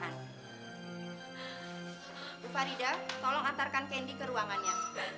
bu farida tolong antarkan candy ke ruangannya